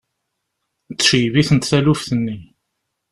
Tceggeb-itent taluft-nni.